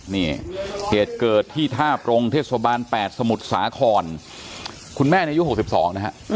นี่เหตุเกิดที่ท่าปรงเทศบาล๘สมุทรสาครคุณแม่อายุ๖๒นะฮะ